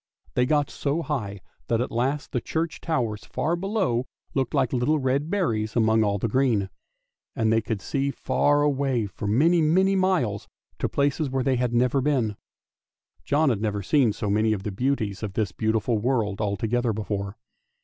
They got so high that at last the church towers far below looked like little red berries among all the green; and they could see far away for many, many miles, to places where they had never been! John had never seen so many of the beauties of this beautiful world all together before.